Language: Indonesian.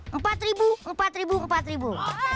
empat ribu empat ribu empat empat ribu